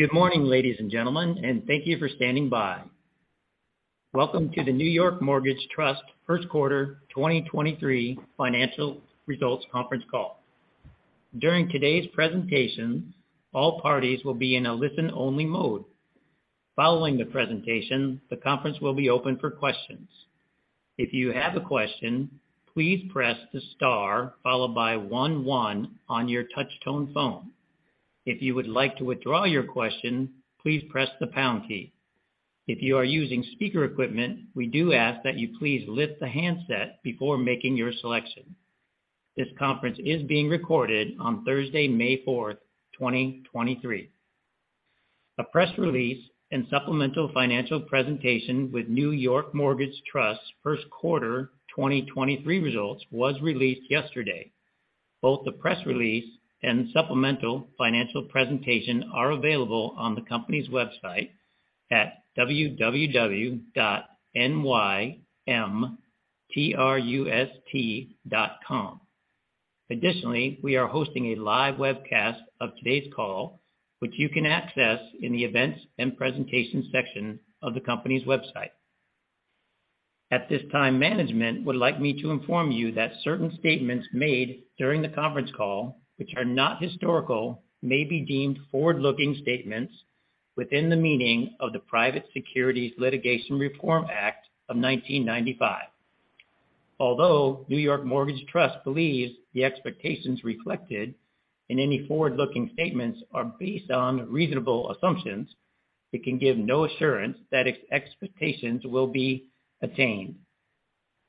Good morning, ladies and gentlemen, and thank you for standing by. Welcome to the New York Mortgage Trust first quarter 2023 financial results conference call. During today's presentation, all parties will be in a listen-only mode. Following the presentation, the conference will be open for questions. If you have a question, please press the star followed by one on your touchtone phone. If you would like to withdraw your question, please press the pound key. If you are using speaker equipment, we do ask that you please lift the handset before making your selection. This conference is being recorded on Thursday, May 4, 2023. A press release and supplemental financial presentation with New York Mortgage Trust Q1 2023 results was released yesterday. Both the press release and supplemental financial presentation are available on the company's website at www.nymtrust.com. Additionally, we are hosting a live webcast of today's call, which you can access in the Events and Presentations section of the company's website. At this time, management would like me to inform you that certain statements made during the conference call, which are not historical, may be deemed forward-looking statements within the meaning of the Private Securities Litigation Reform Act of 1995. Although New York Mortgage Trust believes the expectations reflected in any forward-looking statements are based on reasonable assumptions, it can give no assurance that its expectations will be attained.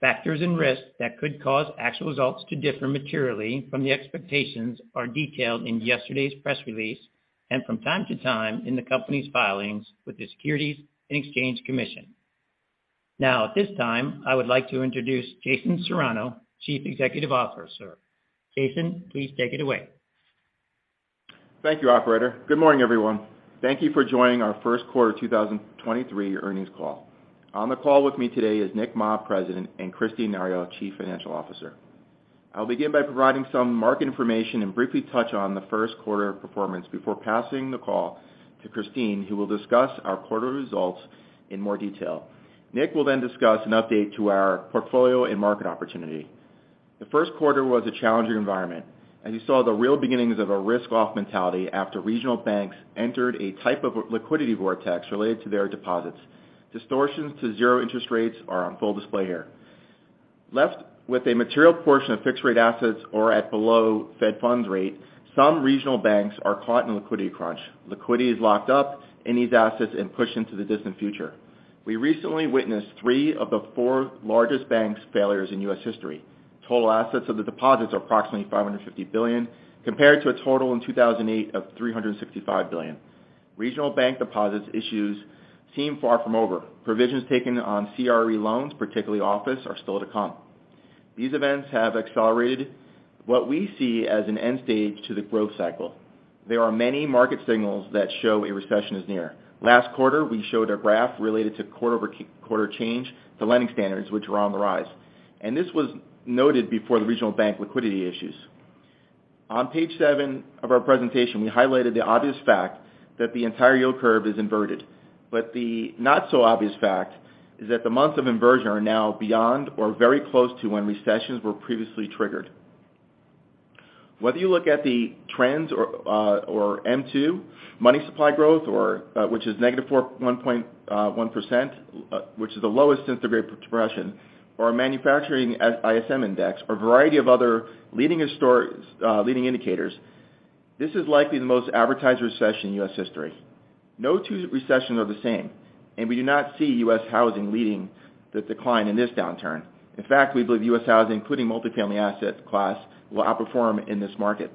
Factors and risks that could cause actual results to differ materially from the expectations are detailed in yesterday's press release and from time to time in the company's filings with the Securities and Exchange Commission. At this time, I would like to introduce Jason Serrano, Chief Executive Officer. Jason, please take it away. Thank you, operator. Good morning, everyone. Thank you for joining our Q1 2023 earnings call. On the call with me today is Nick Mah, President, and Kristine Nario, Chief Financial Officer. I'll begin by providing some market information and briefly touch on the Q1 performance before passing the call to Kristine, who will discuss our quarterly results in more detail. Nick will then discuss an update to our portfolio and market opportunity. The Q1 was a challenging environment, and you saw the real beginnings of a risk-off mentality after regional banks entered a type of liquidity vortex related to their deposits. Distortions to zero interest rates are on full display here. Left with a material portion of fixed rate assets or at below Fed funds rate, some regional banks are caught in a liquidity crunch. Liquidity is locked up in these assets and pushed into the distant future. We recently witnessed three of the four largest banks failures in U.S. history. Total assets of the deposits are approximately $550 billion, compared to a total in 2008 of $365 billion. Regional bank deposits issues seem far from over. Provisions taken on CRE loans, particularly office, are still to come. These events have accelerated what we see as an end stage to the growth cycle. There are many market signals that show a recession is near. Last quarter, we showed a graph related to quarter-over-quarter change to lending standards, which are on the rise. This was noted before the regional bank liquidity issues. On page seven of our presentation, we highlighted the obvious fact that the entire yield curve is inverted. The not so obvious fact is that the months of inversion are now beyond or very close to when recessions were previously triggered. Whether you look at the trends or M2, money supply growth or which is -4.1%, which is the lowest since the Great Depression, or our manufacturing as ISM index, or a variety of other leading indicators, this is likely the most advertised recession in U.S. history. No two recessions are the same, we do not see U.S. housing leading the decline in this downturn. In fact, we believe U.S. housing, including multi-family asset class, will outperform in this market.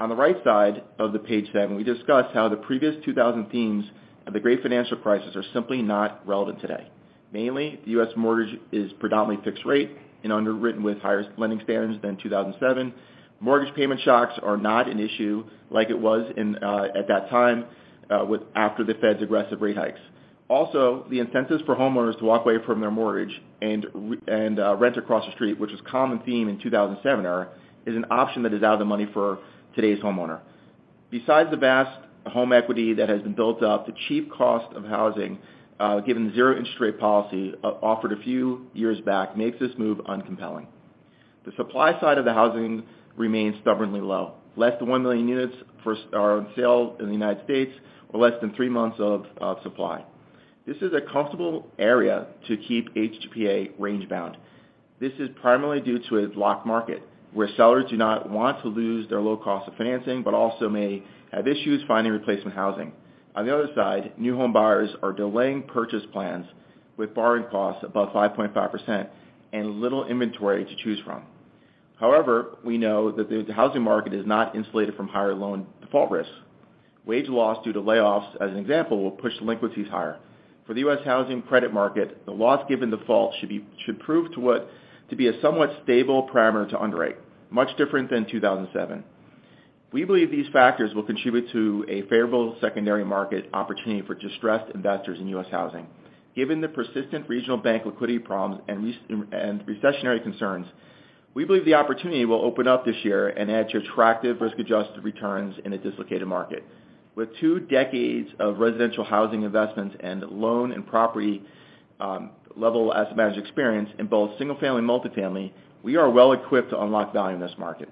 On the right side of the page, we discussed how the previous 2000 themes of the Great Financial Crisis are simply not relevant today. Mainly, the U.S. mortgage is predominantly fixed rate and underwritten with higher lending standards than 2007. Mortgage payment shocks are not an issue like it was at that time, with after the Fed's aggressive rate hikes. The incentives for homeowners to walk away from their mortgage and rent across the street, which was common theme in 2007 era, is an option that is out of the money for today's homeowner. The vast home equity that has been built up, the cheap cost of housing, given the zero interest rate policy offered a few years back, makes this move uncompelling. The supply side of the housing remains stubbornly low. Less than one million units first are on sale in the U.S. or less than three months of supply. This is a comfortable area to keep HGPA range-bound. This is primarily due to a locked market, where sellers do not want to lose their low cost of financing, but also may have issues finding replacement housing. New home buyers are delaying purchase plans with borrowing costs above 5.5% and little inventory to choose from. We know that the housing market is not insulated from higher loan default risk. Wage loss due to layoffs, as an example, will push delinquencies higher. For the U.S. housing credit market, the loss given default should prove to be a somewhat stable parameter to underwrite, much different than 2007. We believe these factors will contribute to a favorable secondary market opportunity for distressed investors in U.S. housing. Given the persistent regional bank liquidity problems and recessionary concerns, we believe the opportunity will open up this year and add to attractive risk-adjusted returns in a dislocated market. With two decades of residential housing investments and loan and property level asset management experience in both single-family and multi-family, we are well equipped to unlock value in this market.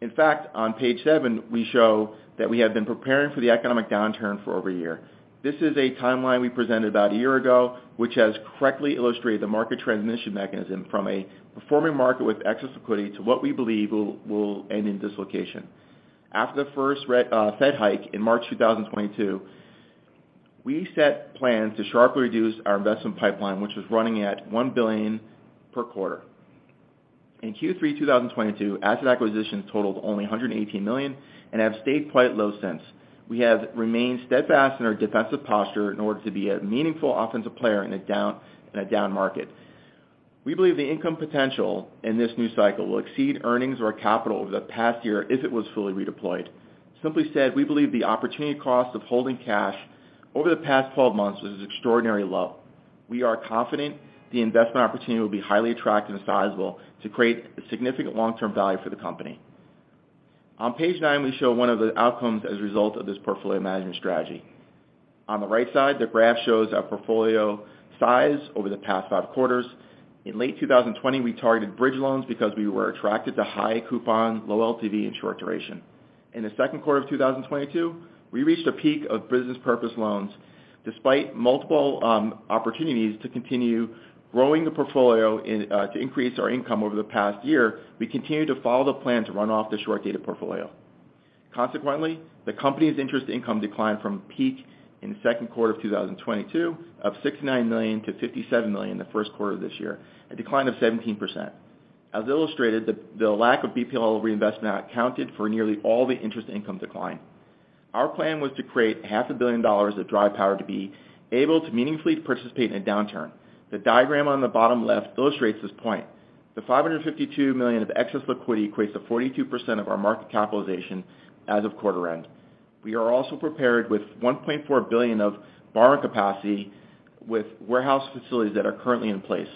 In fact, on page seven, we show that we have been preparing for the economic downturn for over a year. This is a timeline we presented about a year ago, which has correctly illustrated the market transmission mechanism from a performing market with excess liquidity to what we believe will end in dislocation. After the first Fed hike in March 2022, we set plans to sharply reduce our investment pipeline, which was running at $1 billion per quarter. In Q3 2022, asset acquisitions totaled only $118 million and have stayed quite low since. We have remained steadfast in our defensive posture in order to be a meaningful offensive player in a down market. We believe the income potential in this new cycle will exceed earnings or capital over the past year if it was fully redeployed. Simply said, we believe the opportunity cost of holding cash over the past 12 months was extraordinary low. We are confident the investment opportunity will be highly attractive and sizable to create significant long-term value for the company. On page nine, we show one of the outcomes as a result of this portfolio management strategy. On the right side, the graph shows our portfolio size over the past five quarters. In late 2020, we targeted bridge loans because we were attracted to high coupon, low LTV, and short duration. In the Q2 of 2022, we reached a peak of business purpose loans. Despite multiple opportunities to continue growing the portfolio and to increase our income over the past year, we continued to follow the plan to run off the short dated portfolio. The company's interest income declined from peak in the Q2 of 2022 of $69 million-$57 million in the Q1 of this year, a decline of 17%. As illustrated, the lack of BPL reinvestment accounted for nearly all the interest income decline. Our plan was to create half a billion dollars of dry powder to be able to meaningfully participate in a downturn. The diagram on the bottom left illustrates this point. The $552 million of excess liquidity equates to 42% of our market capitalization as of quarter end. We are also prepared with $1.4 billion of borrowing capacity with warehouse facilities that are currently in place.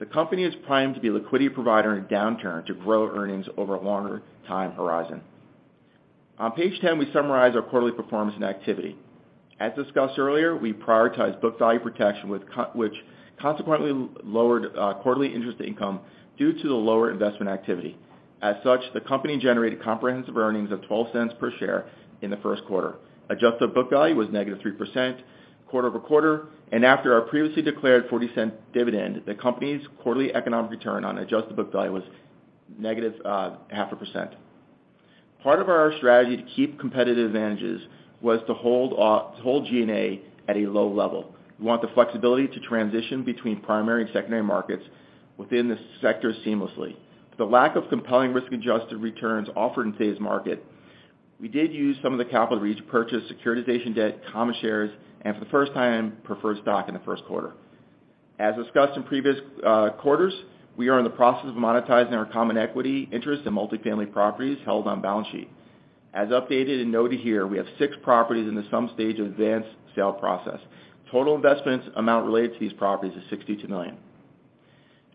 The company is primed to be a liquidity provider in a downturn to grow earnings over a longer time horizon. On page 10, we summarize our quarterly performance and activity. As discussed earlier, we prioritize book value protection which consequently lowered quarterly interest income due to the lower investment activity. As such, the company generated comprehensive earnings of $0.12 per share in the Q1. Adjusted book value was -3% quarter-over-quarter and after our previously declared $0.40 dividend, the company's quarterly economic return on adjusted book value was -0.5%. Part of our strategy to keep competitive advantages was to hold G&A at a low level. We want the flexibility to transition between primary and secondary markets within the sector seamlessly. The lack of compelling risk-adjusted returns offered in today's market, we did use some of the capital to repurchase securitization debt, common shares, and for the first time, preferred stock in the Q1. As discussed in previous quarters, we are in the process of monetizing our common equity interest in multi-family properties held on balance sheet. As updated and noted here, we have six properties in the some stage of advanced sale process. Total investments amount related to these properties is $62 million.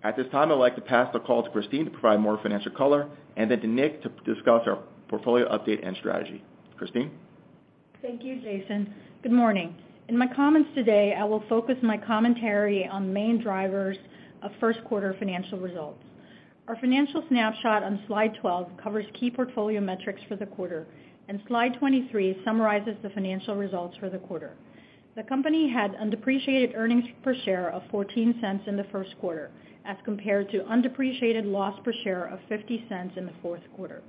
At this time, I'd like to pass the call to Kristine to provide more financial color and then to Nick to discuss our portfolio update and strategy. Kristine? Thank you, Jason. Good morning. In my comments today, I will focus my commentary on main drivers of Q1 financial results. Our financial snapshot on slide 12 covers key portfolio metrics for the quarter, and slide 23 summarizes the financial results for the quarter. The company had undepreciated earnings per share of $0.14 in the Q1, as compared to undepreciated loss per share of $0.50 in the Q4.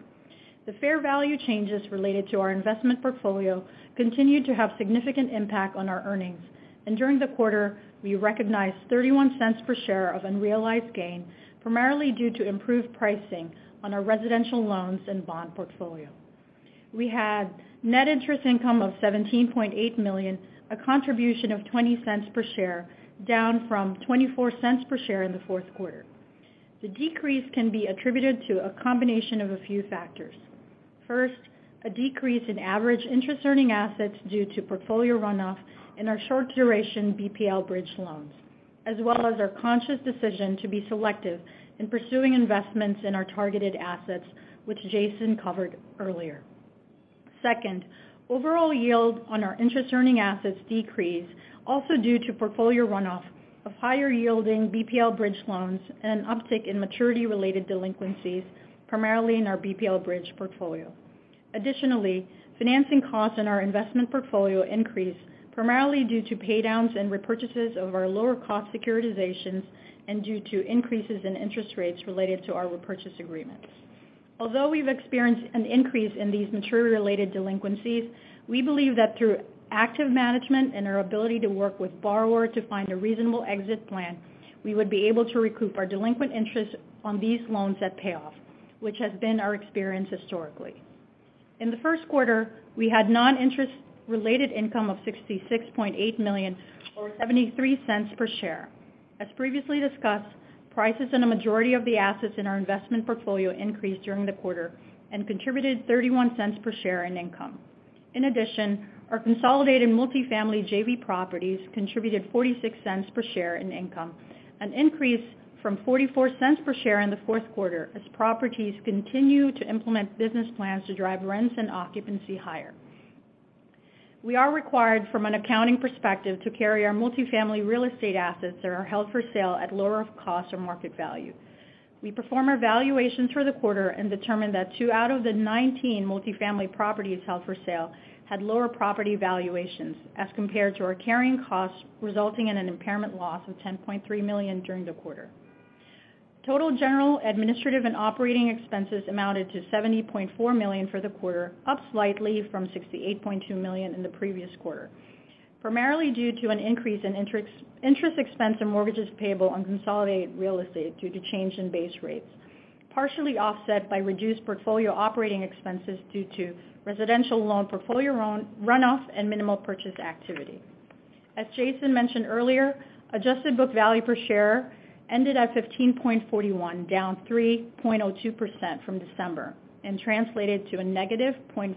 The fair value changes related to our investment portfolio continued to have significant impact on our earnings. During the quarter, we recognized $0.31 per share of unrealized gain, primarily due to improved pricing on our residential loans and bond portfolio. We had net interest income of $17.8 million, a contribution of $0.20 per share, down from $0.24 per share in the Q4. The decrease can be attributed to a combination of a few factors. First, a decrease in average interest earning assets due to portfolio runoff in our short duration BPL bridge loans, as well as our conscious decision to be selective in pursuing investments in our targeted assets, which Jason covered earlier. Second, overall yield on our interest earning assets decreased also due to portfolio runoff of higher yielding BPL bridge loans and an uptick in maturity-related delinquencies, primarily in our BPL bridge portfolio. Additionally, financing costs in our investment portfolio increased, primarily due to pay downs and repurchases of our lower cost securitizations and due to increases in interest rates related to our repurchase agreements. We've experienced an increase in these maturity-related delinquencies, we believe that through active management and our ability to work with borrower to find a reasonable exit plan, we would be able to recoup our delinquent interest on these loans at payoff, which has been our experience historically. In the Q1, we had non-interest related income of $66.8 million or $0.73 per share. As previously discussed, prices in a majority of the assets in our investment portfolio increased during the quarter and contributed $0.31 per share in income. Our consolidated multi-family JV properties contributed $0.46 per share in income, an increase from $0.44 per share in the Q4 as properties continue to implement business plans to drive rents and occupancy higher. We are required from an accounting perspective to carry our multi-family real estate assets that are held for sale at lower cost or market value. We perform our valuations for the quarter and determine that two out of the 19 multi-family properties held for sale had lower property valuations as compared to our carrying costs, resulting in an impairment loss of $10.3 million during the quarter. Total General, Administrative and operating expenses amounted to $70.4 million for the quarter, up slightly from $68.2 million in the previous quarter, primarily due to an increase in interest expense and mortgages payable on consolidated real estate due to change in base rates, partially offset by reduced portfolio operating expenses due to residential loan portfolio runoff and minimal purchase activity. As Jason mentioned earlier, adjusted book value per share ended at 15.41, down 3.02% from December and translated to a -0.50%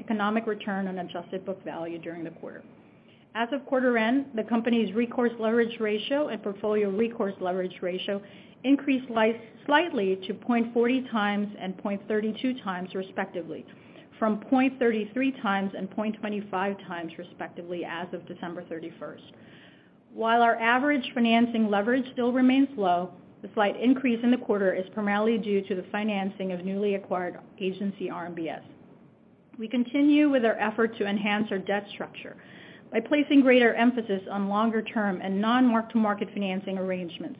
economic return on adjusted book value during the quarter. As of quarter end, the company's recourse leverage ratio and portfolio recourse leverage ratio increased slightly to 0.40x and 0.32x respectively, from 0.33x and 0.25x respectively as of December 31st 2023. While our average financing leverage still remains low, the slight increase in the quarter is primarily due to the financing of newly acquired agency RMBS. We continue with our effort to enhance our debt structure by placing greater emphasis on longer-term and non-mark-to-market financing arrangements.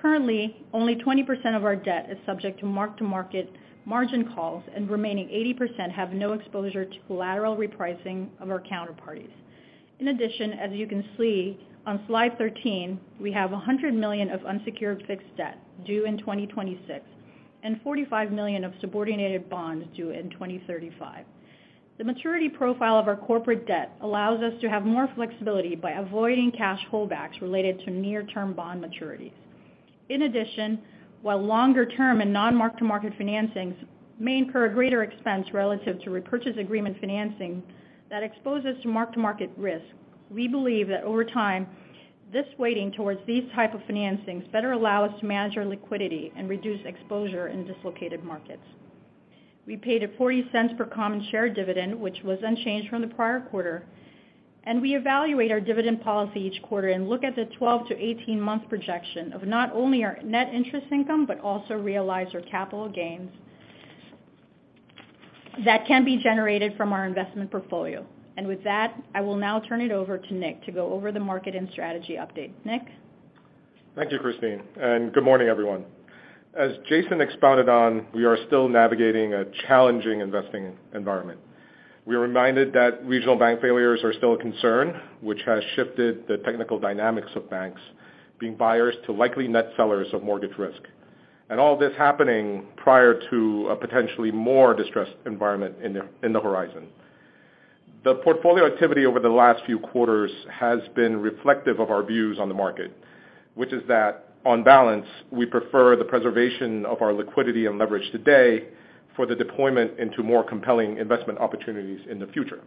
Currently, only 20% of our debt is subject to mark-to-market margin calls and remaining 80% have no exposure to collateral repricing of our counterparties. As you can see on Slide 13, we have $100 million of unsecured fixed debt due in 2026 and $45 million of subordinated bonds due in 2035. The maturity profile of our corporate debt allows us to have more flexibility by avoiding cash holdbacks related to near-term bond maturities. While longer-term and non-mark-to-market financings may incur a greater expense relative to repurchase agreement financing that expose us to mark-to-market risk, we believe that over time, this weighting towards these type of financings better allow us to manage our liquidity and reduce exposure in dislocated markets. We paid a $0.40 per common share dividend, which was unchanged from the prior quarter. We evaluate our dividend policy each quarter and look at the 12 month-18 month projection of not only our net interest income, but also realize our capital gains that can be generated from our investment portfolio. With that, I will now turn it over to Nick to go over the market and strategy update. Nick? Thank you, Kristine, and good morning, everyone. As Jason expounded on, we are still navigating a challenging investing environment. We are reminded that regional bank failures are still a concern which has shifted the technical dynamics of banks being buyers to likely net sellers of mortgage risk. All this happening prior to a potentially more distressed environment in the, in the horizon. The portfolio activity over the last few quarters has been reflective of our views on the market, which is that on balance, we prefer the preservation of our liquidity and leverage today for the deployment into more compelling investment opportunities in the future.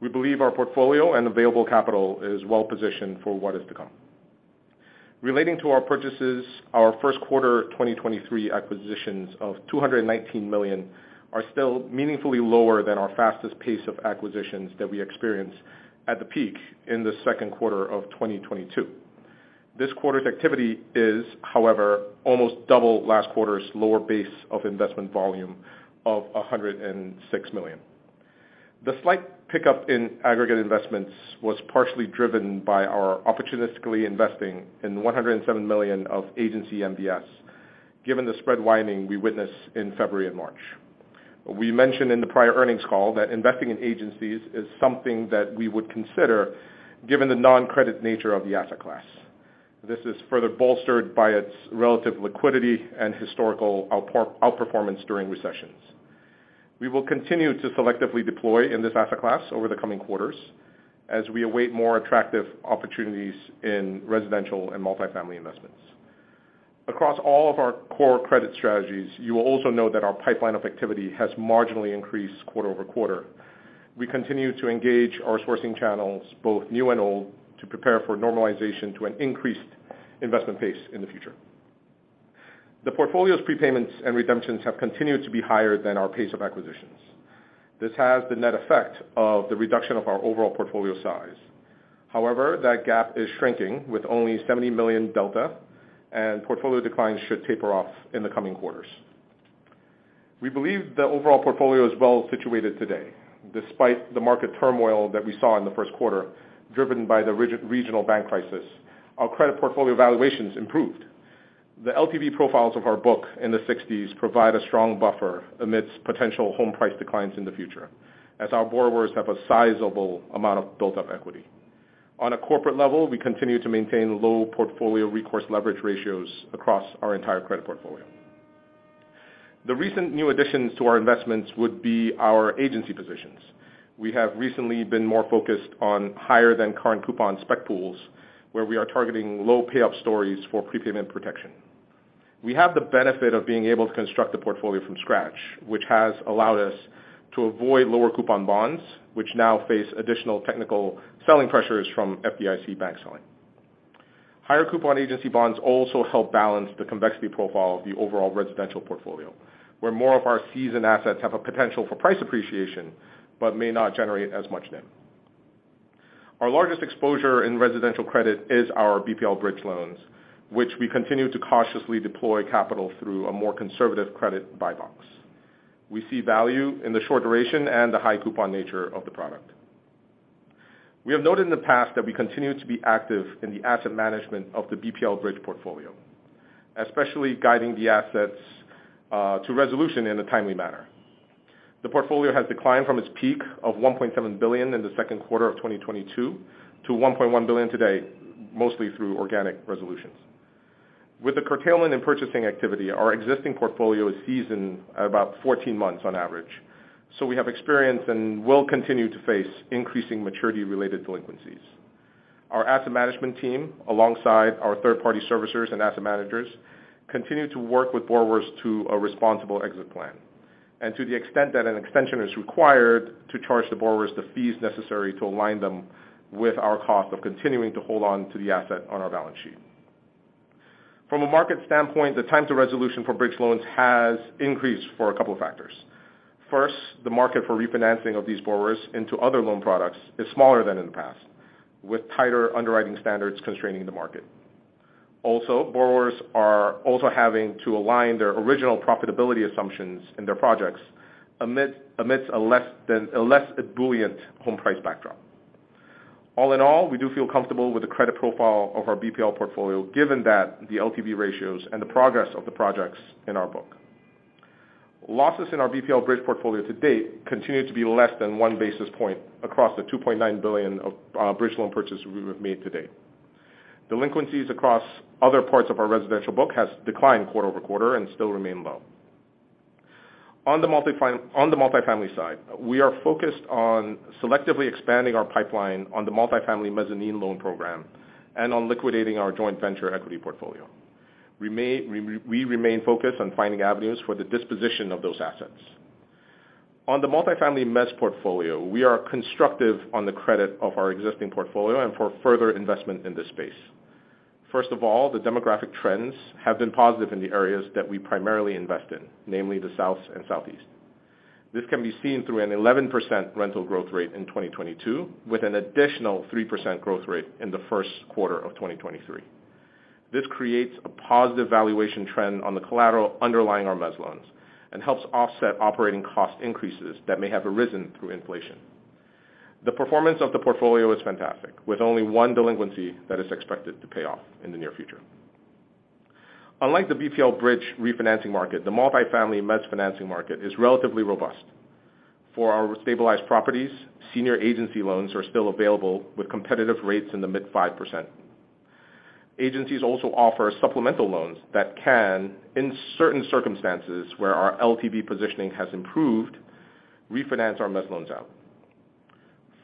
We believe our portfolio and available capital is well positioned for what is to come. Relating to our purchases, our Q1 2023 acquisitions of $219 million are still meaningfully lower than our fastest pace of acquisitions that we experienced at the peak in the Q2 of 2022. This quarter's activity is, however, almost double last quarter's lower base of investment volume of $106 million. The slight pickup in aggregate investments was partially driven by our opportunistically investing in $107 million of agency MBS given the spread widening we witnessed in February and March. We mentioned in the prior earnings call that investing in agencies is something that we would consider given the non-credit nature of the asset class. This is further bolstered by its relative liquidity and historical outperformance during recessions. We will continue to selectively deploy in this asset class over the coming quarters as we await more attractive opportunities in residential and multi-family investments. Across all of our core credit strategies, you will also note that our pipeline of activity has marginally increased quarter-over-quarter. We continue to engage our sourcing channels, both new and old, to prepare for normalization to an increased investment pace in the future. The portfolio's prepayments and redemptions have continued to be higher than our pace of acquisitions. This has the net effect of the reduction of our overall portfolio size. That gap is shrinking with only $70 million delta and portfolio declines should taper off in the coming quarters. We believe the overall portfolio is well situated today despite the market turmoil that we saw in the Q1 driven by the regional bank crisis. Our credit portfolio valuations improved. The LTV profiles of our book in the 1960s provide a strong buffer amidst potential home price declines in the future as our borrowers have a sizable amount of built-up equity. On a corporate level, we continue to maintain low portfolio recourse leverage ratios across our entire credit portfolio. The recent new additions to our investments would be our agency positions. We have recently been more focused on higher than current coupon specified pools, where we are targeting low payoff stories for prepayment protection. We have the benefit of being able to construct a portfolio from scratch, which has allowed us to avoid lower coupon bonds, which now face additional technical selling pressures from FDIC bank selling. Higher coupon agency bonds also help balance the convexity profile of the overall residential portfolio, where more of our seasoned assets have a potential for price appreciation, but may not generate as much NIM. Our largest exposure in residential credit is our BPL bridge loans, which we continue to cautiously deploy capital through a more conservative credit buy box. We see value in the short duration and the high coupon nature of the product. We have noted in the past that we continue to be active in the asset management of the BPL bridge portfolio, especially guiding the assets to resolution in a timely manner. The portfolio has declined from its peak of $1.7 billion in the Q2 of 2022 to $1.1 billion today, mostly through organic resolutions. With the curtailment in purchasing activity, our existing portfolio is seasoned at about 14 months on average, so we have experience and will continue to face increasing maturity-related delinquencies. Our asset management team, alongside our third-party servicers and asset managers, continue to work with borrowers to a responsible exit plan. To the extent that an extension is required to charge the borrowers the fees necessary to align them with our cost of continuing to hold on to the asset on our balance sheet. From a market standpoint, the time to resolution for bridge loans has increased for a couple of factors. First, the market for refinancing of these borrowers into other loan products is smaller than in the past, with tighter underwriting standards constraining the market. Borrowers are also having to align their original profitability assumptions in their projects amidst a less ebullient home price backdrop. All in all, we do feel comfortable with the credit profile of our BPL portfolio, given that the LTV ratios and the progress of the projects in our book. Losses in our BPL bridge portfolio to date continue to be less than 1 basis point across the $2.9 billion of bridge loan purchases we have made to date. Delinquencies across other parts of our residential book has declined quarter-over-quarter and still remain low. On the multi-family side, we are focused on selectively expanding our pipeline on the multi-family mezzanine loan program and on liquidating our joint venture equity portfolio. We remain focused on finding avenues for the disposition of those assets. On the multi-family mezzanine portfolio, we are constructive on the credit of our existing portfolio and for further investment in this space. The demographic trends have been positive in the areas that we primarily invest in, namely the South and Southeast. This can be seen through an 11% rental growth rate in 2022, with an additional 3% growth rate in the Q1 of 2023. This creates a positive valuation trend on the collateral underlying our mezzanine loans and helps offset operating cost increases that may have arisen through inflation. The performance of the portfolio is fantastic, with only one delinquency that is expected to pay off in the near future. Unlike the BPL bridge refinancing market, the multi-family mezzanine financing market is relatively robust. For our stabilized properties, senior agency loans are still available with competitive rates in the mid 5%. Agencies also offer supplemental loans that can, in certain circumstances where our LTV positioning has improved, refinance our mezzanine loans out.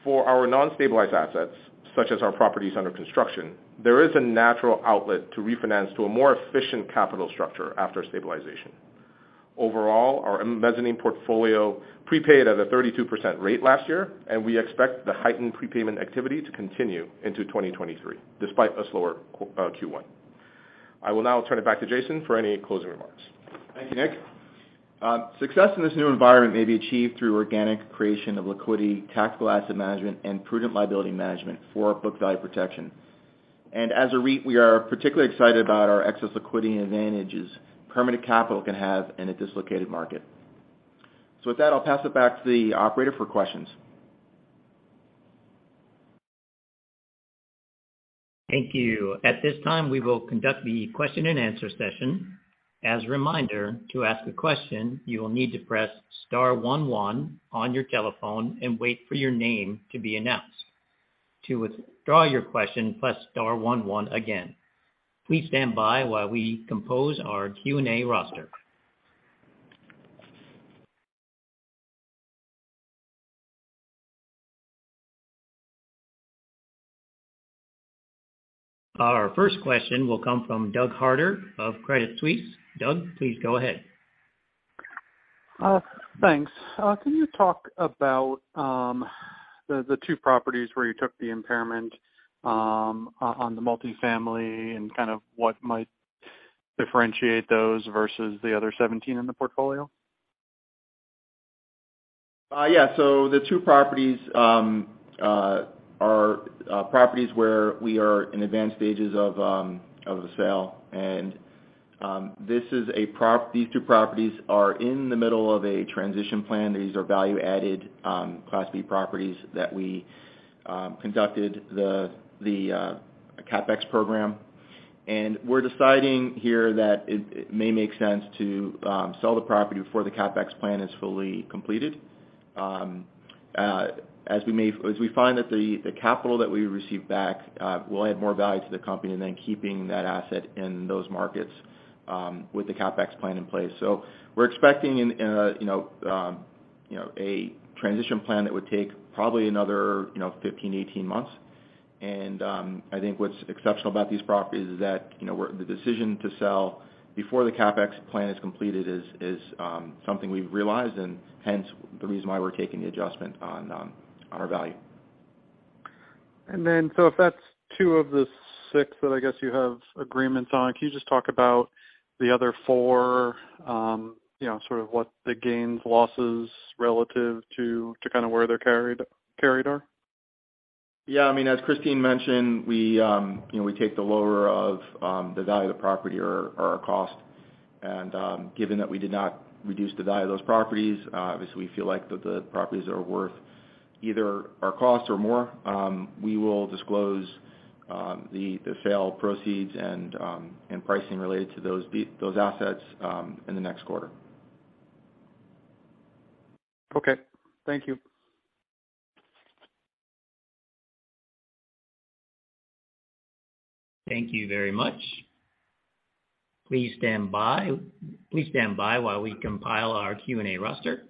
For our non-stabilized assets, such as our properties under construction, there is a natural outlet to refinance to a more efficient capital structure after stabilization. Overall, our mezzanine portfolio prepaid at a 32% rate last year. We expect the heightened prepayment activity to continue into 2023, despite a slower Q1. I will now turn it back to Jason for any closing remarks. Thank you, Nick. Success in this new environment may be achieved through organic creation of liquidity, tactical asset management, and prudent liability management for our book value protection. As a REIT, we are particularly excited about our excess liquidity advantages permanent capital can have in a dislocated market. With that, I'll pass it back to the operator for questions. Thank you. At this time, we will conduct the Q&A session. As a reminder, to ask a question, you will need to press star one one on your telephone and wait for your name to be announced. To withdraw your question, press star one one again. Please stand by while we compose our Q&A roster. Our first question will come from Doug Harter of Credit Suisse. Doug, please go ahead. Thanks. Can you talk about the two properties where you took the impairment on the multi-family and kind of what might differentiate those versus the other 17 in the portfolio? Yeah. The two properties are properties where we are in advanced stages of the sale. These two properties are in the middle of a transition plan. These are value-added Class B properties that we conducted the CapEx program. We're deciding here that it may make sense to sell the property before the CapEx plan is fully completed. As we find that the capital that we receive back will add more value to the company than keeping that asset in those markets with the CapEx plan in place. We're expecting in a, you know, a transition plan that would take probably another, you know, 15 months, 18 months.I think what's exceptional about these properties is that, you know, the decision to sell before the CapEx plan is completed is, something we've realized and hence the reason why we're taking the adjustment on our value. If that's two of the six that I guess you have agreements on, can you just talk about the other four, you know, sort of what the gains, losses relative to kind of where they're carried are? Yeah, I mean, as Christine mentioned, we, you know, we take the lower of, the value of the property or our cost. Given that we did not reduce the value of those properties, obviously we feel like the properties are worth either our cost or more. We will disclose the sale proceeds and pricing related to those assets, in the next quarter. Okay. Thank you. Thank you very much. Please stand by, please stand by while we compile our Q&A roster.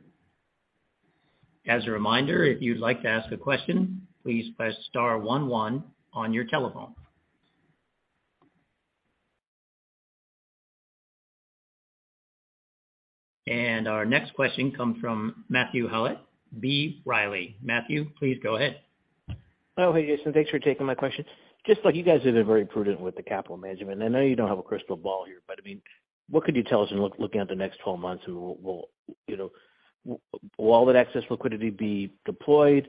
As a reminder, if you'd like to ask a question, please press star one one on your telephone. Our next question comes from Matthew Howlett, B. Riley. Matthew, please go ahead. Oh, hey, Jason. Thanks for taking my question. Just like you guys have been very prudent with the capital management, I know you don't have a crystal ball here, but I mean, what could you tell us in looking at the next 12 months and will all that excess liquidity be deployed?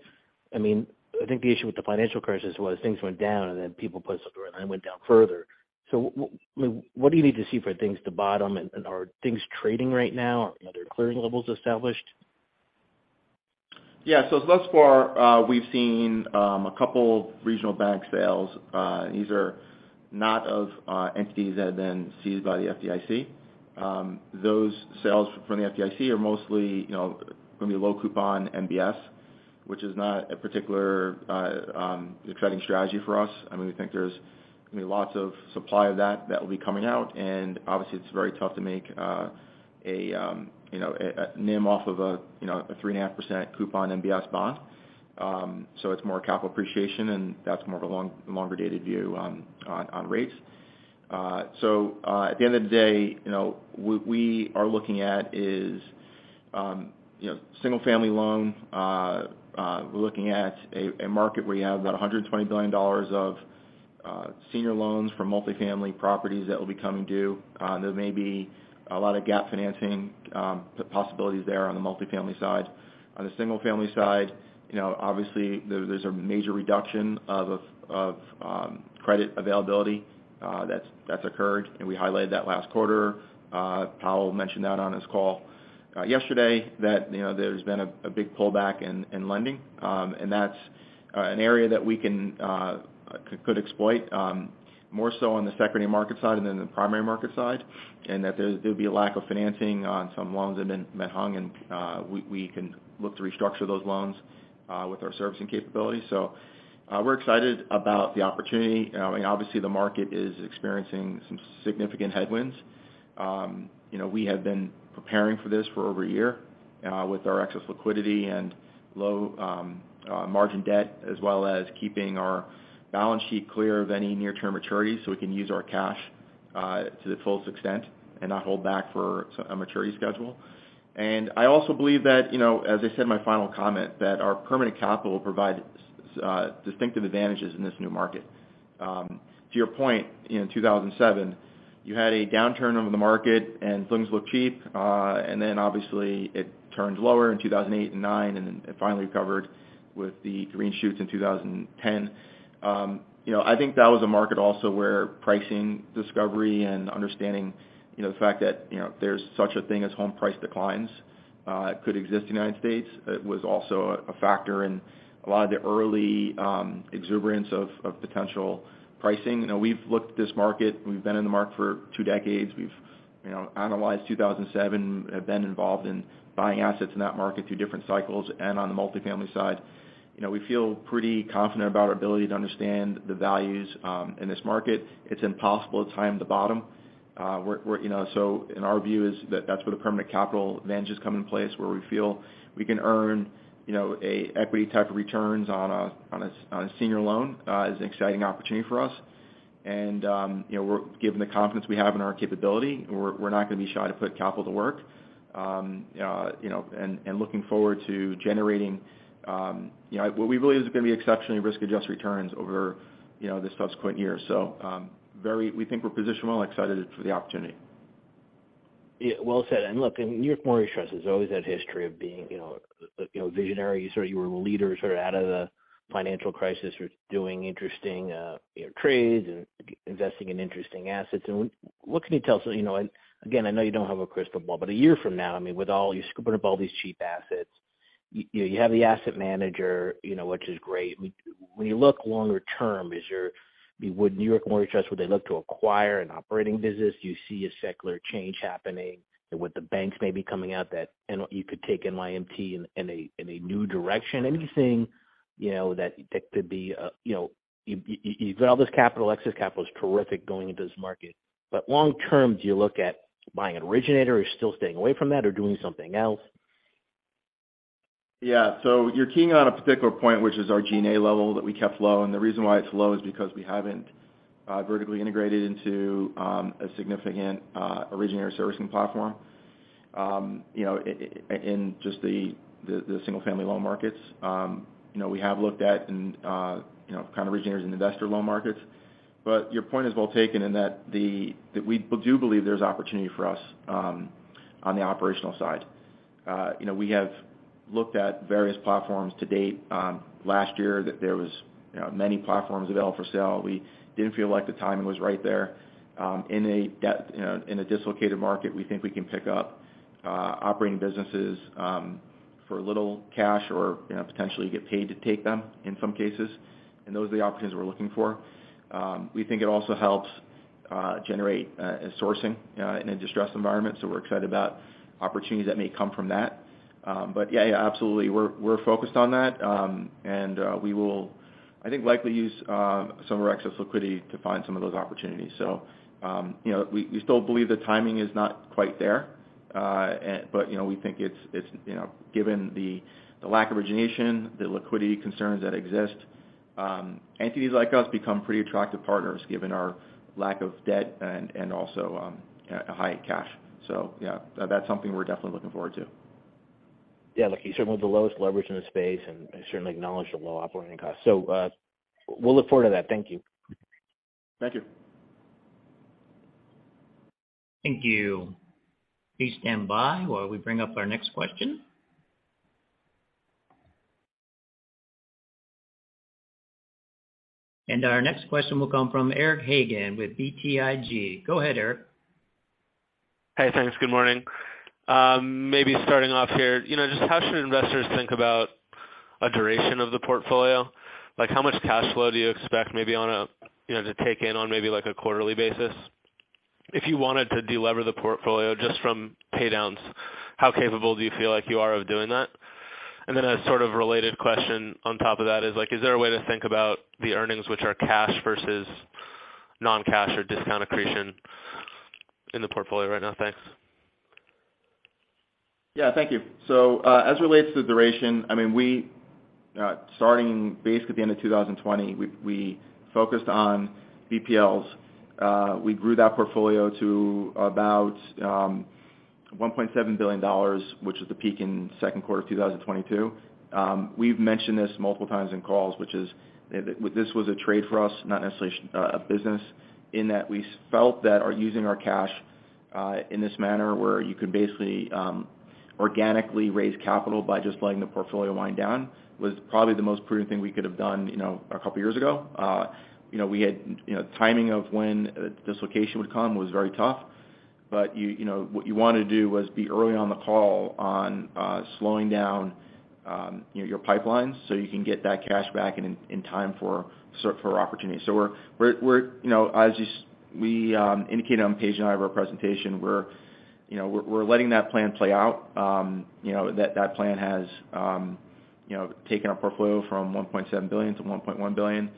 I mean, I think the issue with the financial crisis was things went down, and then people put stuff through, and then it went down further. I mean, what do you need to see for things to bottom, and are things trading right now? Are there clearing levels established? Thus far, we've seen a couple regional bank sales. These are not of entities that have been seized by the FDIC. Those sales from the FDIC are mostly, you know, from a low coupon MBS, which is not a particular attracting strategy for us. I mean, we think there's, I mean, lots of supply of that that will be coming out, and obviously it's very tough to make, you know, a NIM off of a, you know, a 3.5% coupon MBS bond. It's more capital appreciation, and that's more of a long-longer dated view on rates. At the end of the day, you know, what we are looking at is, you know, single-family loan. We're looking at a market where you have about $120 billion of senior loans from multi-family properties that will be coming due. There may be a lot of gap financing possibilities there on the multi-family side. On the single family side, you know, obviously there's a major reduction of credit availability that's occurred, and we highlighted that last quarter. Powell mentioned that on his call yesterday that, you know, there's been a big pullback in lending. That's an area that we can exploit more so on the secondary market side than the primary market side. That there'd be a lack of financing on some loans that have been hung and we can look to restructure those loans with our servicing capabilities. We're excited about the opportunity. You know, I mean, obviously the market is experiencing some significant headwinds. You know, we have been preparing for this for over a year with our excess liquidity and low margin debt, as well as keeping our balance sheet clear of any near-term maturities so we can use our cash to the fullest extent and not hold back for a maturity schedule. I also believe that, you know, as I said in my final comment, that our permanent capital provides distinctive advantages in this new market. To your point, in 2007, you had a downturn over the market and things looked cheap, and then obviously it turned lower in 2008 and 2009, and then it finally recovered with the green shoots in 2010. You know, I think that was a market also where pricing discovery and understanding, you know, the fact that, you know, there's such a thing as home price declines could exist in the U.S., it was also a factor in a lot of the early exuberance of potential pricing. You know, we've looked at this market. We've been in the market for two decades. We've, you know, analyzed 2007, have been involved in buying assets in that market through different cycles and on the multi-family side. You know, we feel pretty confident about our ability to understand the values in this market. It's impossible to time the bottom. You know, our view is that that's where the permanent capital advantages come into place, where we feel we can earn, you know, a equity type of returns on a senior loan is an exciting opportunity for us. You know, given the confidence we have in our capability, we're not gonna be shy to put capital to work. You know, and looking forward to generating, you know, what we believe is gonna be exceptionally risk-adjusted returns over, you know, the subsequent years. We think we're positioned well, excited for the opportunity. Yeah. Well said. Look, New York Mortgage Trust has always had a history of being, you know, visionary. You sort of, you were leaders who are out of the financial crisis, you're doing interesting, you know, trades and investing in interesting assets. What can you tell us, you know. Again, I know you don't have a crystal ball, but a year from now, I mean, with all, you're scooping up all these cheap assets. You have the asset manager, you know, which is great. When you look longer term, would New York Mortgage Trust, would they look to acquire an operating business? Do you see a secular change happening with the banks maybe coming out that you could take NYMT in a, in a new direction? Anything, you know, that could be, you know, you've got all this capital, excess capital is terrific going into this market. Long term, do you look at buying an originator or still staying away from that or doing something else? Yeah. You're keying on a particular point, which is our G&A level that we kept low, the reason why it's low is because we haven't vertically integrated into a significant originator servicing platform. You know, in just the single family loan markets. You know, we have looked at and kind of originators and investor loan markets. Your point is well taken in that we do believe there's opportunity for us on the operational side. You know, we have looked at various platforms to date, last year that there was many platforms available for sale. We didn't feel like the timing was right there. In a you know, in a dislocated market, we think we can pick up operating businesses for little cash or, you know, potentially get paid to take them in some cases. Those are the opportunities we're looking for. We think it also helps generate sourcing in a distressed environment, so we're excited about opportunities that may come from that. Yeah, yeah, absolutely. We're, we're focused on that. We will, I think, likely use some of our excess liquidity to find some of those opportunities. You know, we still believe the timing is not quite there. You know, we think it's, you know, given the lack of origination, the liquidity concerns that exist, entities like us become pretty attractive partners given our lack of debt and also, high cash. Yeah, that's something we're definitely looking forward to. Yeah. Look, you certainly have the lowest leverage in the space. I certainly acknowledge the low operating costs. We'll look forward to that. Thank you. Thank you. Thank you. Please stand by while we bring up our next question. Our next question will come from Eric Hagen with BTIG. Go ahead, Eric. Hey, thanks. Good morning. Maybe starting off here. You know, just how should investors think about a duration of the portfolio? Like, how much cash flow do you expect maybe on a, you know, to take in on maybe like a quarterly basis? If you wanted to de-lever the portfolio just from pay downs, how capable do you feel like you are of doing that? A sort of related question on top of that is, like, is there a way to think about the earnings which are cash versus non-cash or discount accretion in the portfolio right now? Thanks. Thank you. As it relates to duration, I mean, we starting basically at the end of 2020, we focused on BPLs. We grew that portfolio to about $1.7 billion, which was the peak in Q2 of 2022. We've mentioned this multiple times in calls, which is this was a trade for us, not necessarily a business, in that we felt that our using our cash in this manner where you could basically organically raise capital by just letting the portfolio wind down, was probably the most prudent thing we could have done, you know, a couple years ago. You know, we had, you know, timing of when dislocation would come was very tough. You know, what you wanna do was be early on the call on slowing down, you know, your pipelines, so you can get that cash back in time for opportunities. We're, you know, as you indicated on page nine of our presentation, we're, you know, we're letting that plan play out. You know, that plan has, you know, taken our portfolio from $1.7 billion-$1.1 billion.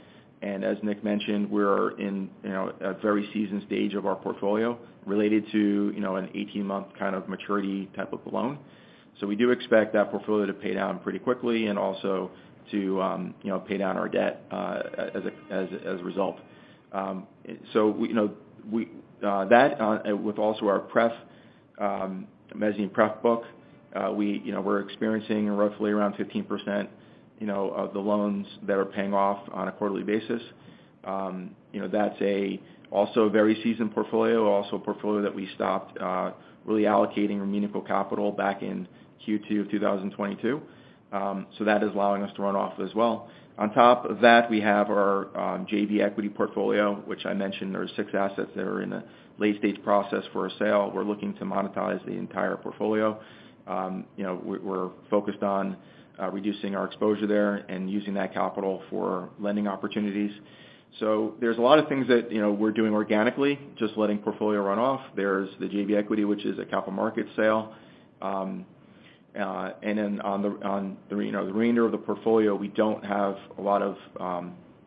As Nick mentioned, we're in, you know, a very seasoned stage of our portfolio related to, you know, an 18-month kind of maturity type of loan. We do expect that portfolio to pay down pretty quickly and also to, you know, pay down our debt as a result. We, you know, we, with also our pref, mezzanine pref book, we, you know, we're experiencing roughly around 15%, you know, of the loans that are paying off on a quarterly basis. You know, that's a also a very seasoned portfolio, also a portfolio that we stopped really allocating meaningful capital back in Q2 of 2022. That is allowing us to run off as well. On top of that, we have our JV equity portfolio, which I mentioned there are six assets that are in a late-stage process for a sale. We're looking to monetize the entire portfolio. You know, we're focused on reducing our exposure there and using that capital for lending opportunities. There's a lot of things that, you know, we're doing organically, just letting portfolio run off. There's the JV equity, which is a capital market sale. On the, on the, you know, the remainder of the portfolio, we don't have a lot of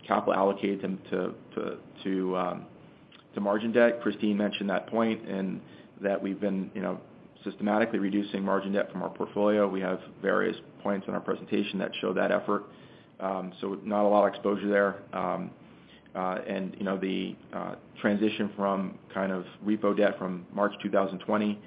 capital allocated to margin debt. Kristine mentioned that point, and that we've been, you know, systematically reducing margin debt from our portfolio. We have various points in our presentation that show that effort. Not a lot of exposure there. You know, the transition from kind of repo debt from March 2020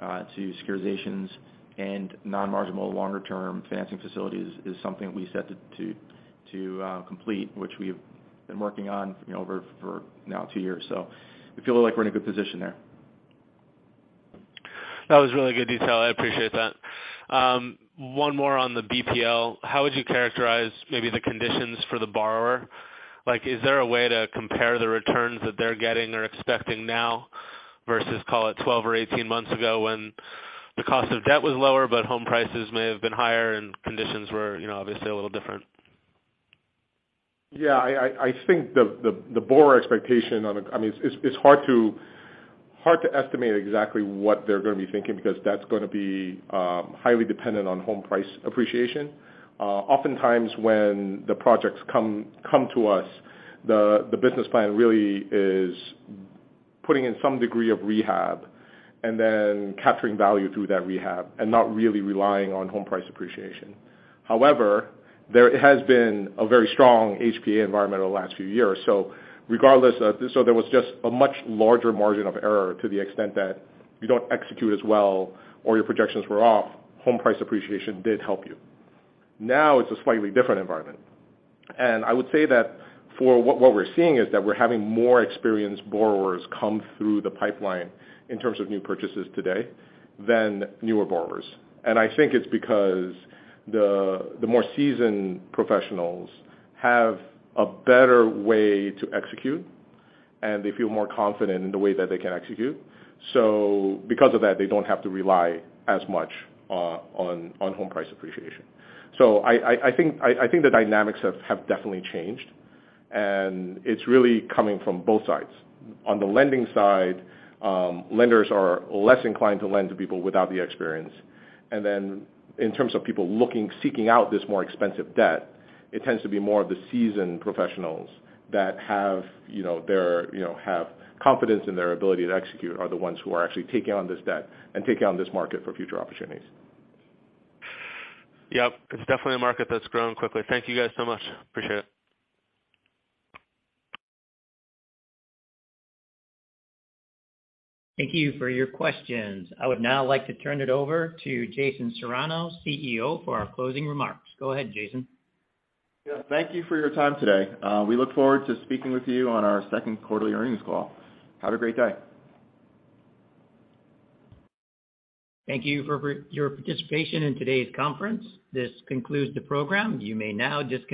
to securitizations and non-marginal longer-term financing facilities is something we set to complete, which we've been working on, you know, over for now two years. We feel like we're in a good position there. That was really good detail. I appreciate that. One more on the BPL. How would you characterize maybe the conditions for the borrower? Like, is there a way to compare the returns that they're getting or expecting now versus, call it, 12 months or 18 months ago when the cost of debt was lower, but home prices may have been higher and conditions were, you know, obviously a little different? Yeah. I think the borrower expectation on a. I mean, it's hard to estimate exactly what they're gonna be thinking because that's gonna be highly dependent on home price appreciation. Oftentimes when the projects come to us, the business plan really is putting in some degree of rehab and then capturing value through that rehab and not really relying on home price appreciation. However, there has been a very strong HPA environment over the last few years. There was just a much larger margin of error to the extent that you don't execute as well or your projections were off, home price appreciation did help you. Now it's a slightly different environment. I would say that for what we're seeing is that we're having more experienced borrowers come through the pipeline in terms of new purchases today than newer borrowers. I think it's because the more seasoned professionals have a better way to execute, and they feel more confident in the way that they can execute. Because of that, they don't have to rely as much on home price appreciation. I think the dynamics have definitely changed, and it's really coming from both sides. On the lending side, lenders are less inclined to lend to people without the experience.In terms of people looking, seeking out this more expensive debt, it tends to be more of the seasoned professionals that have, you know, their, you know, have confidence in their ability to execute are the ones who are actually taking on this debt and taking on this market for future opportunities. Yep. It's definitely a market that's growing quickly. Thank you guys so much. Appreciate it. Thank you for your questions. I would now like to turn it over to Jason Serrano, CEO, for our closing remarks. Go ahead, Jason. Yeah. Thank you for your time today. We look forward to speaking with you on our Q2 earnings call. Have a great day. Thank you for your participation in today's conference. This concludes the program. You may now disconnect.